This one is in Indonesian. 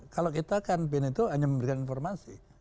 kalau kita kan bin itu hanya memberikan informasi